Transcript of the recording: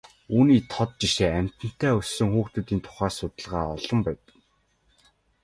Үүний тод жишээ амьтантай өссөн хүүхдийн тухай судалгаа олон байна.